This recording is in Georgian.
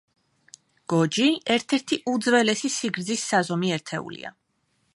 გოჯი ერთ-ერთი უძველესი სიგრძის საზომი ერთეულია.